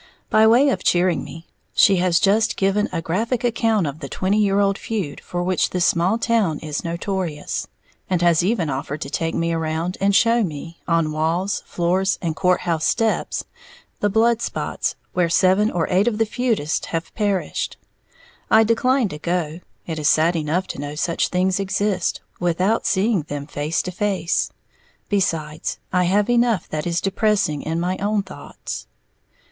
By way of cheering me, she has just given a graphic account of the twenty year old feud for which this small town is notorious, and has even offered to take me around and show me, on walls, floors and court house steps, the blood spots where seven or eight of the feudists have perished. I declined to go, it is sad enough to know such things exist, without seeing them face to face. Besides, I have enough that is depressing in my own thoughts.